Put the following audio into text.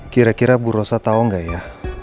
kira kira bu rosa tahu nggak ya